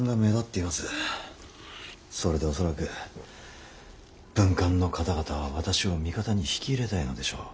それで恐らく文官の方々は私を味方に引き入れたいのでしょう。